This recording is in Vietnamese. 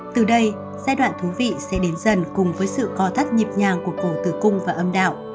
từ đây giai đoạn thú vị sẽ đến dần cùng với sự co thắt nhịp nhàng của cổ tử cung và âm đạo